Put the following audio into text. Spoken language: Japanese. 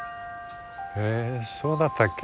えそうだったっけ？